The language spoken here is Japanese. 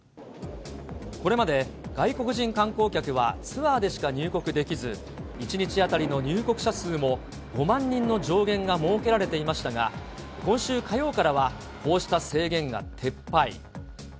これまで、外国人観光客はツアーでしか入国できず、１日当たりの入国者数も５万人の上限が設けられていましたが、今週火曜からはこうした制限が撤廃。